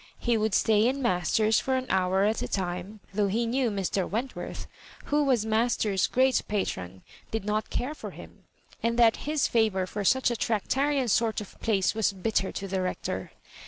He would stay in Mas ters's for an hour at a time, though he knew Mr. Wentworth, who was Masters's great patron, did not care for him, and that his favour for such a Tractarian sort of place was bitter to the Rector.